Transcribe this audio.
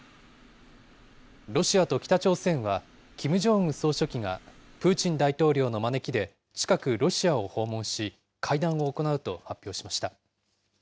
ロシアと北朝鮮はキム・ジョンウン総書記が、プーチン大統領の招きで近くロシアを訪問し、会談を行うと発表しました。